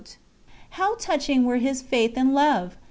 How touching were his faith and love!